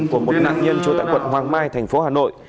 của một nạn nhân trú tại quận hoàng mai thành phố hà nội